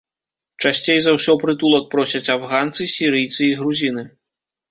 Часцей за ўсё прытулак просяць афганцы, сірыйцы і грузіны.